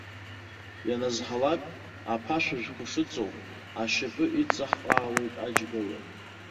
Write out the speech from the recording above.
Ианазҳалак, аԥашәыжәқәа шыҵоу, ашьапы иҵаҳҟаауеит аџь гәаҩа.